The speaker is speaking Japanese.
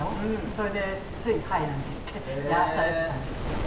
それでつい、はいって言ってやらされてたんです。